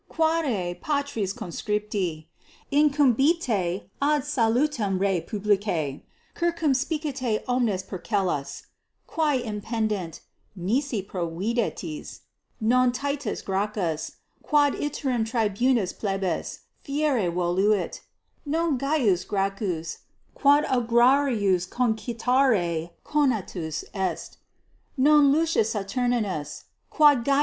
_ Quare, patres conscripti, incumbite ad salutem rei publicae, 4 circumspicite omnes procellas, quae impendent, nisi providetis. Non Ti. Gracchus, quod iterum tribunus pl. fieri voluit, non C. Gracchus, quod agrarios concitare conatus est, non L. Saturninus, quod C.